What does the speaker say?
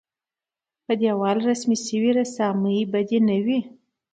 پر دېوال رسم شوې رسامۍ بدې نه وې.